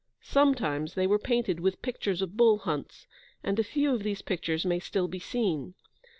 Sometimes they were painted with pictures of bull hunts, and a few of these pictures may still be seen.